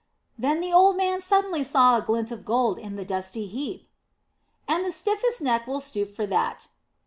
"Then the old man suddenly saw a glint of gold in the dusty heap." "And the stiffest neck will stoop for that."